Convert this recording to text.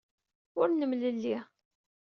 Ur nemlelli.